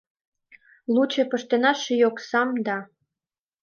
Луче пыштена ший оксам да, -